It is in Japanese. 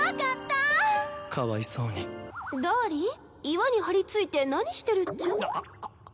岩に張り付いて何してるっちゃ？んああ。